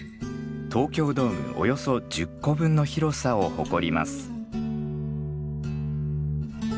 東京ドームおよそ１０個分の広さを誇ります。